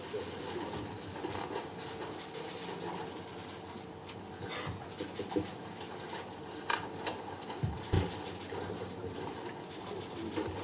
dua orang tinggal lanjutan tike bobalan on estel dars